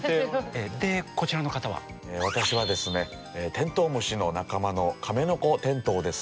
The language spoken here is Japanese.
テントウムシの仲間のカメノコテントウです。